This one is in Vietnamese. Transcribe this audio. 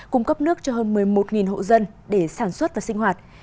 cung cấp nước cho hơn một mươi một hộ dân để sản xuất và sinh hoạt